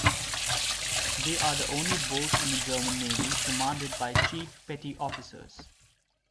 They are the only boats in the German Navy commanded by Chief Petty Officers.